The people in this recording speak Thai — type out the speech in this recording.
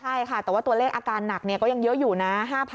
ใช่ค่ะแต่ว่าตัวเลขอาการหนักก็ยังเยอะอยู่นะ